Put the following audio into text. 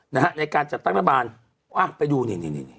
นะฮะในการจัดตั้งแต่บานอ้าวไปดูนี่นี่นี่